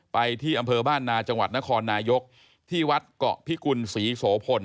ไปที่อำเภอบ้านนาจังหวัดนครนายกที่วัดเกาะพิกุลศรีโสพล